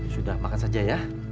sudah makan saja ya